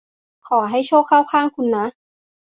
ขอให้โชคเข้าข้างคุณนะ